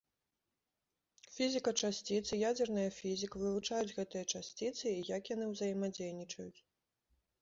Фізіка часціц і ядзерная фізіка вывучаюць гэтыя часціцы і як яны ўзаемадзейнічаюць.